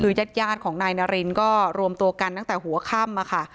คือยาดของนายนารินก็รวมตัวกันตั้งแต่หัวค่ำอะค่ะ